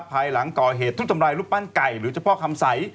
ภายหลังก่อเหตุทุบทำลายรูปปั้นไก่หรือเจ้าพ่อคำใส